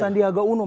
pak sandiaga unum